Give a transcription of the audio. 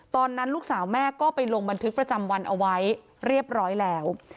ตอนนั้นลูกสาวแม่ก็ไปลงบันทึกประจำวันเอาไว้เรียบร้อยแล้ว